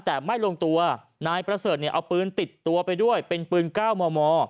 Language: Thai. แต่ไม่ลงตัวนายประเสริฐเนี่ยเอาปืนติดตัวไปด้วยเป็นปืน๙มม